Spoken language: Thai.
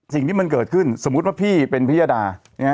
สิ่งที่มันเกิดขึ้นสมมุติว่าพี่เป็นพิยดา